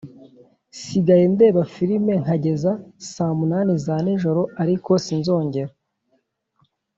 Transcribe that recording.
sigaye ndeba filime nkageza saa munani za ni njoro ariko sinzongera